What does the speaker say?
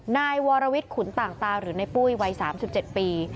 นายวรวิทย์ขุนต่างตาหรือในปุ้ยวัย๓๗ปี